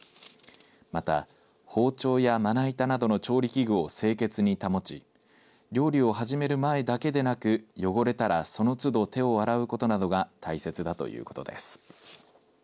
また、包丁やまな板などの調理器具を清潔に保ち料理を始める前だけでなく汚れたらその都度手を洗うことなどが大切だということです。